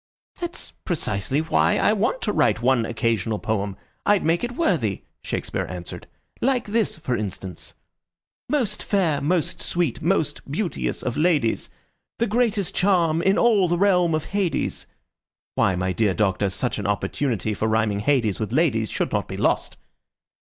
"That's precisely why I want to write one occasional poem. I'd make it worthy," Shakespeare answered. "Like this, for instance: Most fair, most sweet, most beauteous of ladies, The greatest charm in all ye realm of Hades. Why, my dear Doctor, such an opportunity for rhyming Hades with ladies should not be lost."